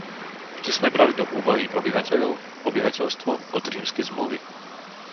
Vždy sme brali do úvahy obyvateľov, obyvateľstvo, od Rímskej zmluvy.